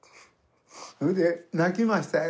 それで泣きましたよ。